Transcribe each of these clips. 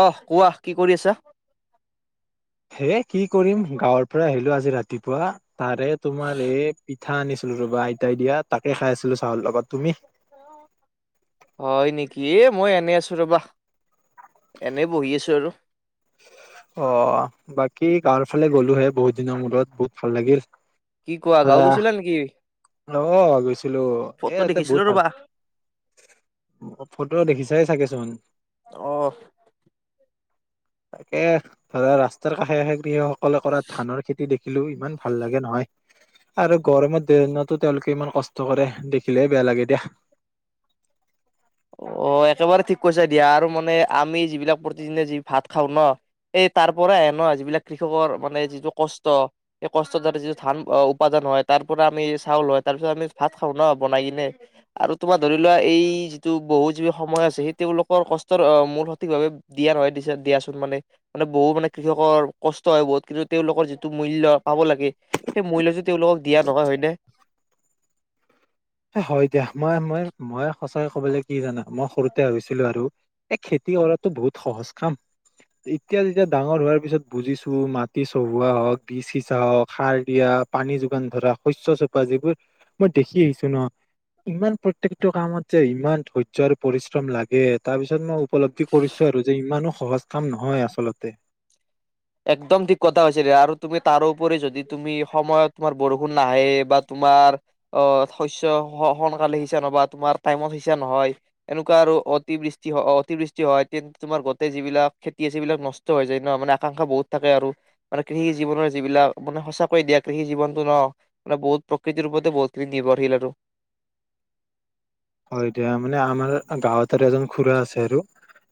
অহ কোৱা কি কৰি আছা। হে কি কৰিম গাঁৱৰ পৰা আহিলো আৰু। আজি ৰাতিপুৱা। তাৰে তোমাৰ এই। পিঠা আনিছিলো ৰ'বা আইতাই দিয়া তাকে খাই আছিলো চাহৰ লগত তুমি। হয় নেকি এ মই এনে আছো ৰবা এনে বহি আছো আৰু। অ বাকী গাৱৰ ফালে গ'লোহে বহুত দিনৰ মূৰত বহুত ভাল লাগিল। কি কোৱা ধৰা গাৱ গৈছিলা নেকি? অ গৈছিলো এ ফটো তাতে দেখিছিলো বহুত ভাল। ৰবা ফটো দেখিছাই চাগেচোন। অহ তাকে ধৰা ৰাস্তাৰ কাষে কাষে গৃহ। অকলে অকলে ধানৰ খেতি দেখিলো কিন্তু? ইমান ভাল লাগে নহয় আৰু গৰমত। ট্ৰেইনতো তেওঁলোকে ইমান কষ্ট কৰে দেখিলে বেয়া লাগে দিয়া। অ একেবাৰে ঠিক কৈছা দিয়া আৰু মানে আমি যিবিলাক প্ৰতিদিনে যি ভাত খাওঁ ন এই তাৰ পৰাই ন যিবিলাক কৃষকৰ মানে যিটো কষ্ট সেই কষ্টৰ দ্বাৰা যিটো ধান উপাৰ্জন হয় তাৰ পৰা আমি চাউল হয় তাৰ পিছত আমি ভাত খাওঁ ন বনাই কিনে আৰু তোমাৰ ধৰি লোৱা এই। টো বহু যি সময় আছে সেই তেওঁলোকৰ কষ্টৰ মূল সঠিকভাৱে দিয়া নহয় দি দিয়াচোন মানে মানে বহু মানে কৃষকৰ কষ্ট হয় বহুত কিন্তু তেওঁলোকৰ যিটো মূল্য পাব লাগে সেই মূল্যটো তেওঁলোকক দিয়া নহয় হয়নে। হয় দিয়া মই মই মই সঁচাকে কবলৈ কি জানা মই সৰুতে ভাবিছিলো আৰু এই খেতি কৰাতো বহুত সহজ কাম এতিয়া যেতিয়া ডাঙৰ হোৱাৰ পিছত বুজিছো মাটি চহুৱো হওক বীজ সিচা হওঁক সাৰ দিয়া পানী যোগান ধৰা শস্য চপা যিবোৰ মই দেখি আহিছো? ্ ন ইমান প্ৰত্যেকটো কামত যে ইমান ধৈৰ্য্য আৰু পৰিশ্ৰম লাগে তাৰপিছত মই। উপলব্ধি কৰিছো আৰু যে ইমানো? সহজ কাম নহয় আচলতে। একদম ঠিক কথা কৈছা দিয়া আৰু তুমি তাৰোপৰি যদি তুমি সময়ত তোমাৰ বৰষুণ নাহে বা তোমাৰ অ শস্য সোনকালে সিঁচা নহব তোমাৰ টাইমত সিঁচা নহয় এনেকোৱা আৰু অতিবৃষ্টি অতিবৃষ্টি হয় তেন্তে তোমাৰ গোটে যিবিলাক খেতি আছে সেবিলাক নষ্ট হৈ যায় ন মানে। আকাংক্ষা বহুত থাকে আৰু মানে কৃষি জীৱনৰ যিবিলাক মানে সঁচাকৈয়ে দিয়া কৃষি জীৱনতটো ন মানে বহুত প্ৰকৃতিৰ ওপৰতে বহুতখিনি নিৰ্ভৰশীল আৰু। হয় এতিয়া মানে আমাৰ গাঁৱত এজন। খুৰা আছে আৰু।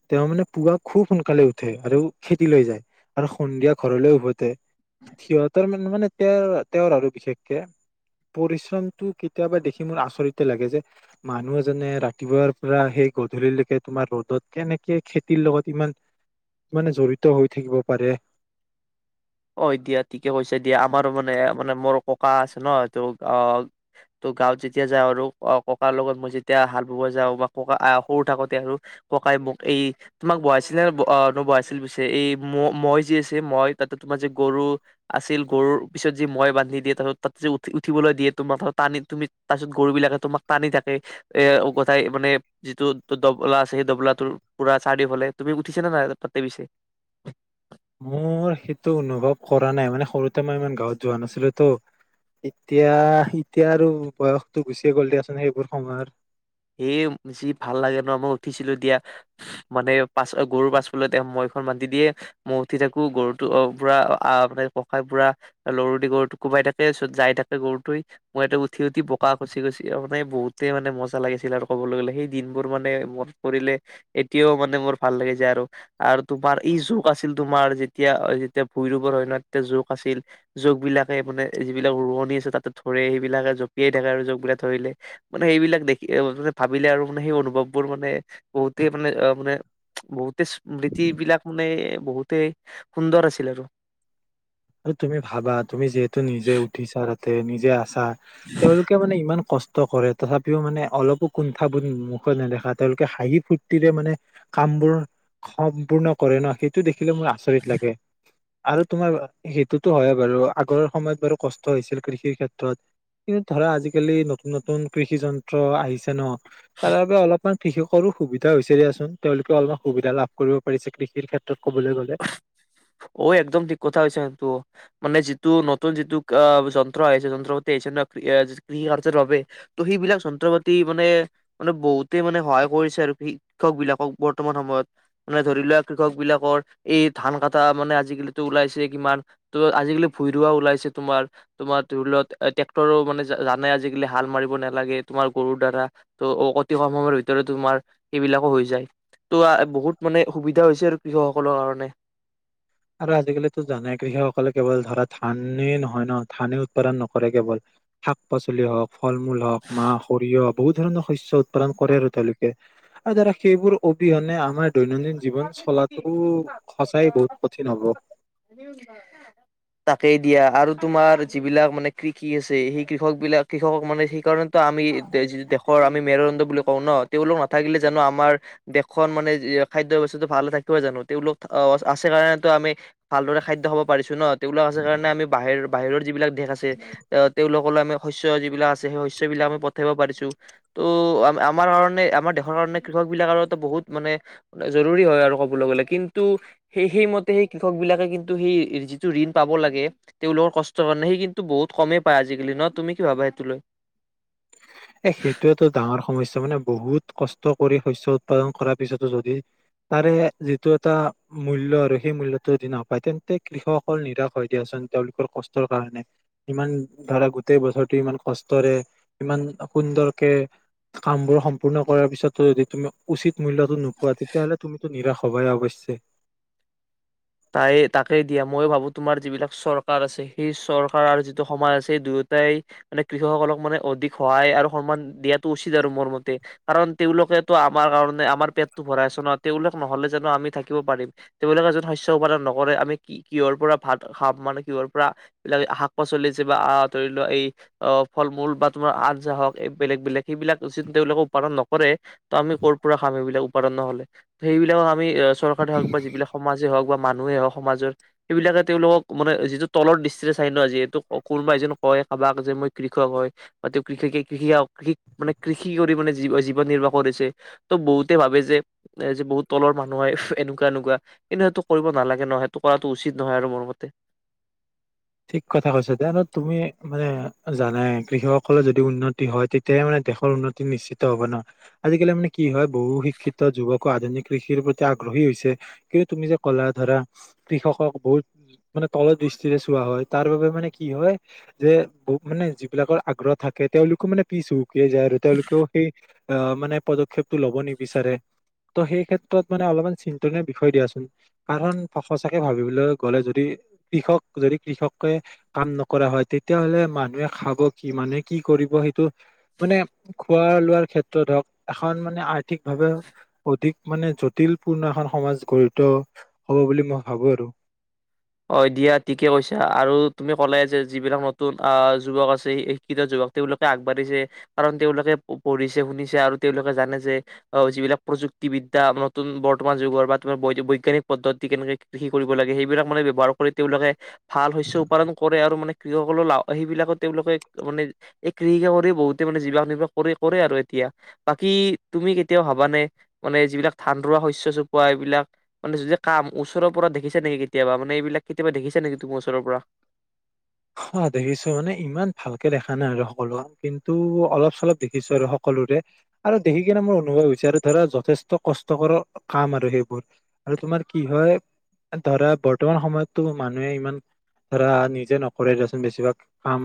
তেওঁ মানে পুৱা খুব সোনকালে উঠে আৰু খেতিলৈ যায় আৰু সন্ধিয়া ঘৰলৈ উভতে। সিহতৰ মানে মানে। তেওঁৰ তেওঁৰ আৰু বিশেষকে পৰিশ্ৰমতটো কেতিয়াবা দেখি মোৰ আচৰিতে লাগে যে। মানুহ এজনে ৰাতিপুৱাৰ পৰা সেই গধূলিলৈকে তোমাৰ ৰ'দত কেনেকে খেতিৰ লগত ইমান মানে জড়িত হৈ থাকিব পাৰে। অ দিয়া ঠিকে কৈছে দিয়া আমাৰো মানে মানে মোৰ ককা আছে ন ত ত গাঁৱত যেতিয়া যাও আৰু ককাৰ লগত মই যেতিয়া হাল বাব যাও বা ককা সৰু থাকোতে আৰু ককাই মোক এই তোমাক বহাইছিলে নবহাইছিল পিছে এই মই যি আছে মই তাত। তোমাৰ যে গৰু আছিল গৰুৰ পিছত যি মৈ বান্ধি দিয়ে তাৰপিছ তাত যে উঠি উঠিবলৈ দিয়ে তোমাৰ টানি তুমি তাৰপিছত গৰু বিলাকে তোমাক টানি থাকে এ গথাই মানে যিটো দবলা আছে সেই দবলাটোৰ পুৰা চাৰিওফালে তুমি উঠিছা নে নাই তাতে পিছে। মোৰ সেইটো অনুভৱ কৰা নাই মানে সৰুতে মই ইমান গাঁৱত যোৱা নাছিলো তো এতিয়া এতিয়া আৰু বয়সটো গুচিয়ে গ'ল দিয়াচোন সেইবোৰ সময়ৰ - সেই যি ভাল লাগে ন মই উঠিছিলো দিয়া মানে পাছ গৰুৰ পাছফত এ মইখন বান্ধি দিয়ে মই উঠি থাকো গৰুটো পুৰা মানে পকাই পুৰাৰু দি গৰুটো কোমাই থাকেত যাই থাকে গৰুটো মই ইতে উঠি উঠি পকা খচি গছি মানে বহুতেই মানে মজ ল আৰু ক'বলৈ গ'লে সেই দিনবোৰ মানে ম কৰিলে এতিয়াও মানে মোৰ ভাল লাগে যে আৰু আৰু তোমাৰ ই জোক আছিল তোমাৰ যেতিয়া যেতিয়া ভূই ৰোবৰ হয় ন তেতিয়া জোক আছিল জোক বিলাকে মানে যিবিলাক ৰোৱনী আছে তাতে ধৰে সেইবিলাকে জপিয়াই থাকে আৰু জোক বিলাক ধৰিলে মানে সেইবিলাক দে- মে ভাবিলে আৰু মানে সেই অনুভৱবোৰ মানে বহুতেই মানে মানে বহুতে স্মৃতি বিলাক মানে বহুতেই সুন্দৰ আছিল আৰু- আৰু তুমি ভাবা- তুমি যিহেতু নিজে উঠিছা- তে নিজে আ- ছা তেওঁলোকে মানে ইমান কষ্ট- কৰে তথাপিও মানে অলপো কুণ্ঠাবোৰধ মুখত নেদেখা তেওঁলোকে হাঁহি ফূুৰ্তিৰে মানে কাম বোৰ সম্পূৰ্ণ কৰে ন সেইটো দেখি- দেখিলে মোৰ আচৰিত লাগে। আৰু তোমাৰ- সেইটোতো হয় বাৰু আগৰ সময়ত বাৰু কষ্ট হৈছিল কৃষিৰ ক্ষেত্ৰত কিন্তু ধৰা আজিকালি নতুন নতুন কৃষি যন্ত্ৰ আহিছে ন- তাৰ বাবে অলপমান- কৃষকৰো সুবিধা হৈছে দিয়চোন তেওঁলোকে অলপ সুবিধা লাভ কৰিব পাৰিছে কৃষিৰ ক্ষেত্ৰত- কবলৈ গ'লে অ একদম ঠিক কথা হৈছে কি তু- মানে যিটো নতুন যিটো আহ যন্ত্ৰ আহিছে যন্ত্ৰ পাতি আহিছে ন কৃষি কাৰ্যৰ বাবে ত' সেইবিলাক যন্ত্ৰ পাতি মানে মানে বহুতেই মানে সহায় কৰিছে আৰু কৃষক বিলাকক বৰ্তমান সময়ত মানে ধৰি লোৱা কৃষক বিলাকৰ- এই ধান কটা মানে আজিকালিটো ওলাইছে কিমান ত আজিকালি ভূঁই ৰৱা ওলাইছে তোমাৰ তোমাৰ ধৰি লত ট্ৰেক্টৰো মানে জানে আজিকালি হাল মাৰিব নালাগে তোমাৰ গৰুৰ দ্বাৰা ত অ অ কম সময়ৰ ভিতৰত তোমাৰ সেইবিলাকো হৈ যায় ত' বহুত মানে সুবিধা হৈছে আৰু কৃষকসকলৰ কাৰণে নে- আৰু আজিকালিও জানে কৃষকসকলে কেৱল ধৰা ধানেই নহয় ন ধানেই উৎপাদন নকৰে কেৱল শাক পাচলি হওক- ফল মূল হওক মাহ সৰিয়হক- বহুত ধৰণৰ শস্য উৎপাদন কৰে আৰু তেওঁলোকে আৰু দাদা সেইবোৰ অবিহনে আমাৰ- দৈনন্দিন জীৱন চলাতো সঁচাই বহুত- কঠিন হ'ব তাকেই দিয়া - এয়া আৰু তোমাৰ যিবিলাক মানে কৃষি আছে সেই কৃষক বিলাক কৃষক মানে সেইকাৰণেতো আমি দেশৰ আমি মেৰুদণ্ড বুলি কওঁ ন তেওঁলোক নাথাকিলে জানো আমাৰ দেশখন মানে যি- খাদ্য ব্স্তাটো ভালে থাকিব জানো তেওঁলোক আহ আছে কাৰণেতো আমি ভালদৰে খাদ্য খাব পাৰিছো ন তেওঁলোক আছে কাৰণে আমি বাহিৰ বাহিৰৰ যিবিলাক দেশ আছে তেওঁওলোকলৈ আমি শস্য যিবিলাক আছে সেই শস্য বিলাক আমি পঠাব পাৰিছো ত' আমাৰ কাৰণে আমাৰ দেশৰ কাৰনে কৃষক বিলাক আৰু এটা বহুত মানে- জৰুৰী হয় আৰু ক'বলৈ গলে কিন্তু সেই সেইমতে সেই কৃষক বিলাকে কিন্তু সেই যিটো ঋণ পাব লাগে তেওঁলোকৰ কষ্টৰ কাৰণে সেই কিন্তু বহুত কমেই পায় আজিকালি ন তুমি কি ভাবা সেইটো লৈ- এ সেইটোতটো ডাঙৰ সমস্যা মানে বহুত- কষ্ট কৰি শস্য উৎপাদন কৰাৰ পিছতো যদি তাৰে যিটো এটা মূল্য আৰু সেই মূল্যটো যদি নাপায় তেন্তে কৃষকসকল নিৰাশ হৈ দিয়াচোন তেওঁলোকৰ কষ্টৰ কাৰণে ইমান ধৰা গোটেই বছৰটো ইমান কষ্টৰে ইমান- সুন্দৰকে কামবোৰ সম্পূৰ্ণ কৰাৰ পিছতো যদি তুমি উচিত মূল্যতো নোপোৱা তেতিয়াাহলে তুমিতো নিৰাশ হবাই অৱশ্যে- তাই তাকেই দিয়া ময়ো ভাবো তোমাৰ যিবিলাক চৰকাৰ আছে সেই চৰকাৰ আৰু যিটো সমাজ আছে সেই দুয়োটাই মানে কৃষক সকলক মানে অধিক সহায় আৰু সন্মান দিয়াটো উচিত আৰু মোৰ মতে কাৰণ তেওঁলোকেতো আমাৰ কাৰণে আমাৰ পেটটো ভৰাই আছে ন তেওঁলোক নহলে জানো আমি থাকিব পাৰিম তেওঁলোকে এজন শস্য- উৎপাদন নকৰে আমি কি কিহৰ পৰা ভাত খাম মানে কিহৰ পৰা এইবিলাক শাক পাচলি যে বা ধৰি লোৱা এই আহ ফল মূল বা তোমাৰ আঞ্জা হওক এই বেলেগ বেলেগ সেইবিলাক যি তেওঁলোকে উৎপাদন নকৰে ত আমি ক' পৰা খাম সেইবিলাক উপাদন নহলে সেইবিলাকক আমি- চৰকাৰে হওক বা যিবিলাক সমাজ- যি হওক বা মানুহে হওক সমাজৰ সেইবিলাকে তেওঁলোকক মানে যিটো তলৰ দৃষ্টিৰে চাই ন যিহেতু কোনোবা এজন কয় কাৰোবাক যে মই কৃষক হয় বা তেওঁ কৃষে কৃষি কৃষ মানে কৃষি কৰি মানে জৱ জীৱন নিৰ্বাহ কৰিছে ত' বহুতে ভাবে যে এ যে বহুত তলৰ মানুহ হয় এনেকুৱা এনেকুৱা কিন্তু এইটো- কৰিব নালাগে ন সেইটো কৰাটো উচিত নহয় আৰু মোৰ মতে- ঠিক কথা কৈছা দিয়া আৰু তুমি মানে জানে কৃষকসকলৰ যদি উন্নতি হয় তেতিয়াহে মানে দেশৰ উন্নতি নিশ্চিত হব নহয় আজিকালি মানে কি হয় বহু শিক্ষিত যুৱকো আধুনিক কৃষিৰ প্ৰতি আগ্ৰহী হৈছে কিন্তু তুমি যে ক'লা ধৰা কৃষকক বহুত মানে তলৰ দৃষ্টিৰে- কোৱা হয় তাৰ বাবে মানে কি হয় যে মানে যিবিলাকৰ আগ্ৰহ থাকে তেওঁলোকো মানে পিছো- কিয় যায় আৰু তেওঁলোকেও সেই- আহ মানে পদক্ষেপটো ল'ব নিবিচাৰে ত' সেই ক্ষেত্ৰত মানে অলপমান চিন্তনীয় বিষয় দিয়াচোন কাৰণ সচাকে ভাবিবলৈ গ'লে যদি কৃষক- যদি কৃষকে কাম নকৰা হয় তেতিয়াহলে মানুহে খাব কি মানুহে কি কৰিব সেইটো মানে খোৱা লোৱাৰ ক্ষেত্ৰত হওক এখন মানে আৰ্থিকভাৱে অধিক মানে জটিল পূৰ্ণ এখন সমাজ গঢ়িত হব বুলি মই ভাবো আৰু অ দিয়া ঠিকে কৈছা আৰু তুমি ক'লে যে যিবিলাক নতুন আহ যুৱক আছে শিক্ষিত যুৱক তেওঁলোকে আগবাঢ়িছে কাৰণ তেওঁলোকে পঢ়িছে শুনিছে আৰু তেওঁলোকে জানে যে অ যিবিলাক প্ৰযুক্তিবিদ্যা নতুন বৰ্তমান যুগৰ বা তোমাৰ বৈজ্ঞানিক পদ্ধতি কেনেকে কৃষি কৰিব লাগে সেইবিলাক মানে বাৰ কৰি তেওঁলোকে ভাল হৈছে উপাৰ্জন কৰে আৰু মানে কৃষক সকলৰ লা সেইবিলাকো তেওঁলোকে মানে এই কৃষিকা কৰি বহুতে মানে জীৱিকা নিৰ্বাহ কৰি কৰে আৰু এতিয়া বাকী তুমি কেতিয়াও ভাবানে মানে যিবিলাক ধান ৰোৱা শস্য চপোৱা এইবিলাক মানে য কাম ওচৰৰ পৰা দেখিছা নেকি কেতিয়াবা মানে এইবিলাক কেতিয়াবা দেখিছা নেকি তুমি ওচৰৰ পৰা অ দেখিছো মানে ইমান ভালকে দেখা নাই আৰু সকলো কিন্তু অলপ চলপ দেখিছো আৰু সকলোৰে আৰু দেখি কিনে মোৰ অনুভৱ হৈছে আৰু ধৰা যথেষ্ট কষ্টকৰ কাম আৰু সেইবোৰ আৰু তোমাৰ কি হয় ধৰা বৰ্তমান সময়তো মানুহে ইমান ধৰা নিজে ন কৰে দিয়চোন বেছিভাগ কাম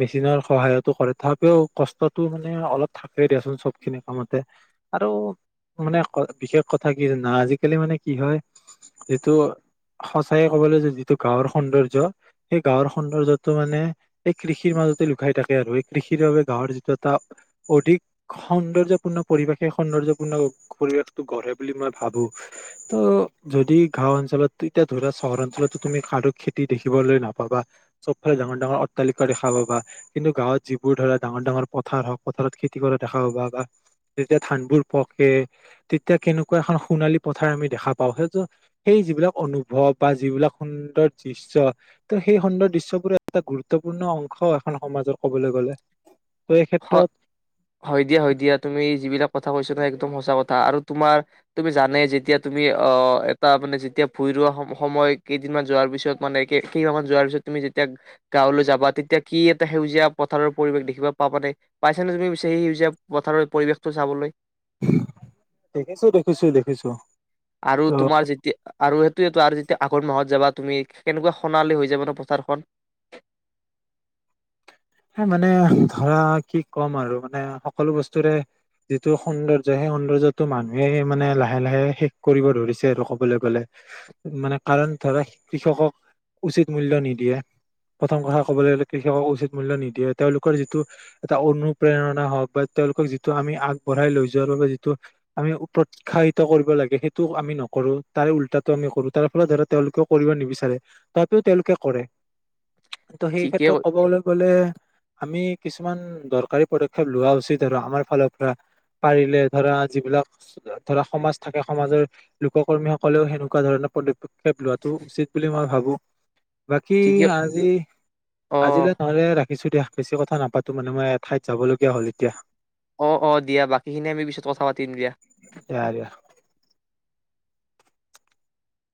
মেচিনৰ সহায়তো কৰে তথাপিও কষ্টতটো মানে অলপ থাকে দিয়াচোন চবখিনি কামতে আৰু মানে বিশেষ কথা কি আজিকালি মানে কি হয় যিটো সচায়ে ক'বলৈ যিটো গাঁৱৰ সৌন্দৰ্য সেই গাঁৱৰ সৌন্দৰ্যতটো মানে এই কৃষিৰ মাজতে লুকাই থাকে আৰু এই কৃষিৰ বাবে গাঁৱৰ যিটো এটা অধিক সৌন্দৰ্যপূৰ্ণ পৰিৱেশ সেই সৌন্দৰ্যপূৰ্ণ পৰিৱেশতটো গঢ়ে বুলি মই ভাবো ত' যদি গাওঁ অঞ্চলত এতিয়া ধৰা চহৰ অঞ্চলতো তুমি সাধুক খেতি দেখিবলৈ নাপাবা চবফালে ডাঙৰ ডাঙৰ অট্টালিকা দেখা পাবা কিন্তু গাঁৱত যিবোৰ ধৰা ডাঙৰ ডাঙৰ পথাৰ হওক পথাৰত খেতি কৰা দেখা পাবা বা যেতিয়া ধানবোৰ পকে তেতিয়া কেনেকুৱা এখন সোণালী পথাৰ আমি দেখা পাওঁ সেই সেই যিবিলাক অনুভৱ বা যিবিলাক সুন্দৰ দৃশ্য ত সেই সুন্দৰ দৃশ বোৰে এটা গুৰুত্বপূৰ্ণ অংশ এখন সমাজৰ কবলৈ গ'লে ত এই ক্ষেত্ৰত হয় দিয়া হয় দিয়া তুমি যিবিলাক কথা কৈছ ন একদম সঁচা কথা আৰু তোমাৰ তুমি জানে যেতিয়া তুমি অ এটা মানে যেতিয়া ভূই ৰোৱা সময় কেইদিনমান যোৱাৰ পিছত মানে কেইদিনান যোৱাৰ পিছত তুমি যেতিয়া গাঁৱলৈ যাবা তেতিয়া কি এটা সেউজীয়া পথাৰৰ পৰিৱেশ দেখিবা পা পাতে পাইছা নে তুমি বিচাৰি সেই সেউজীয়া পথাৰৰ পৰিৱেশটো চাবলৈ দেখিছো দেখিছো দেখিছো আৰু ত তোমাৰ যেতিয়া আৰু সেইটো আৰু আঘোন মাহত যাবা তুমি কেনেকুৱা সোণালী হৈ যাব ন পথাৰখন মানে ধৰা কি ক'ম আৰু মানে সকলো বস্তুৰে যিটো সৌন্দৰ্য্য সেই সৌন্দৰ্যটো মানুহে মানে লাহে লাহে শেষ কৰিব ধৰিছে আৰু কবলৈ গ'লে মানে কাৰণ ধৰা কৃষকক উচিত মূল্য নিদিয়ে প্ৰথম কথা কবলৈ গলে কৃষকক উচিত মূল্য নিদিয়ে তেওঁলোকৰ যিটো এটা অনুপ্ৰেৰণা হওক বা তেওঁলোকক যিটো আমি আগবঢ়াই লৈ যোৱাৰ বাবে যিটো আমি প্ৰৎসাহিত কৰিব লাগে সেইটো আমি নকৰো তাৰ উল্টাটো আমি কৰো তাৰ ফলত ধৰা তেওঁলোকেও কৰিব নিবিচাৰে তথাপিও তেওঁলোকে কৰে ত' সেই ঠিকে ক্ষেত্ৰত ক'ব গ'লে আমি কিছুমান দৰকাৰী পদক্ষেপ লোৱা উচিত আৰু আমাৰ ফালৰ পৰা পাৰিলে ধৰা যিবিলাক ধৰা সমাজ থাকে সমাজৰ লোক কৰ্মীসকলেও সেনেকুৱা ধৰণৰ পদক্ষেপ লোৱাটো উচিত বুলি মই ভাবো বাকী ঠিকে আজি অ আজিলৈ ৰাখিছো দিয়া বেছি কথা নাপাতো মানে মই এঠাইত যাব লগগীয়া হ'ল এতিয়া অ অ দিয়া বাকীখিনি আমি পিছত কথা পাতিম দিয়া দিয়া দিয়া